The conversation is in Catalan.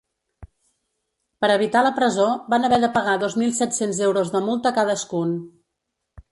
Per evitar la presó, van haver de pagar dos mil set-cents euros de multa cadascun.